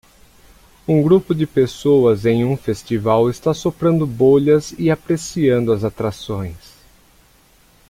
Um grupo de pessoas em um festival está soprando bolhas e apreciando as atrações.